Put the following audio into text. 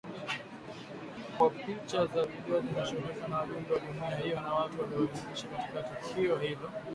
kwamba picha za video zimechukuliwa na wajumbe wa jumuiya hiyo na watu waliohuzunishwa na tukio hilo